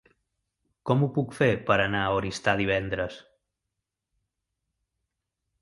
Com ho puc fer per anar a Oristà divendres?